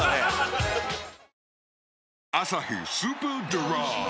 「アサヒスーパードライ」